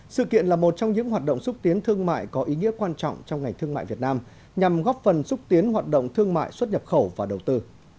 sự kiện là một trong những hoạt động xúc tiến thương mại có ý nghĩa quan trọng trong ngành thương mại việt nam nhằm góp phần xúc tiến hoạt động thương mại xuất nhập khẩu và đầu tư